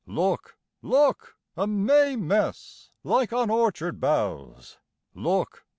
Look, look: a May mess, like on orchard boughs! Look!